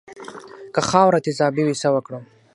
که خاوره تیزابي وي څه وکړم؟